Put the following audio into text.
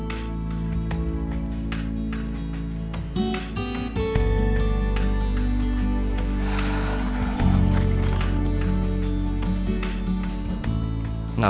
aku nanti akan pake